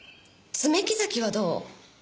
爪木崎はどう？